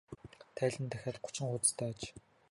Тайлан нь дахиад гучин хуудастай аж.